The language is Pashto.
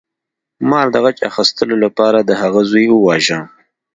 مار د غچ اخیستلو لپاره د هغه زوی وواژه.